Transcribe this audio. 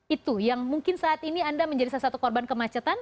itu yang mungkin saat ini anda menjadi salah satu korban kemacetan